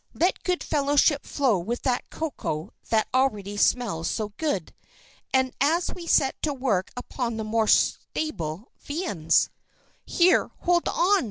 "Let good fellowship flow with that cocoa that already smells so good; and as we set to work upon the more stable viands " "Here! Hold on!"